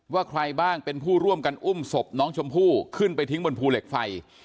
ใครบ้างเป็นผู้ร่วมกันอุ้มศพน้องชมพู่ขึ้นไปทิ้งบนภูเหล็กไฟ